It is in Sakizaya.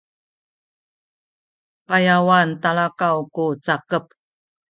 payawan talakaw ku laying